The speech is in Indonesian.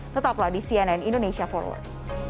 tetaplah di cnn indonesia forward